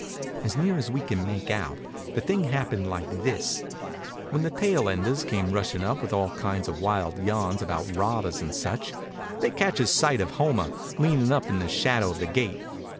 As near as we could make out, the thing happened like this: When the tail enders came rushin' up with all kinds of wild yarns about robbers and such, they catches sight of Homer, leanin' up in the shadow of the gate.